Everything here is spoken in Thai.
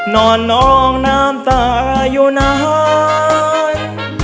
นอนนองน้ำตาอยู่นาน